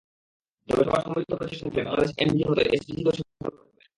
তবে সবার সম্মিলিত প্রচেষ্টা থাকলে বাংলাদেশ এমডিজির মতো এসডিজিতেও সাফল্য অর্জন করবে।